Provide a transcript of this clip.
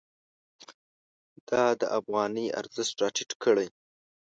دا د افغانۍ ارزښت راټیټ کړی.